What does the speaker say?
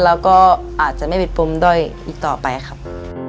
แล้วก็อาจจะไม่เป็นปมด้อยอีกต่อไปครับ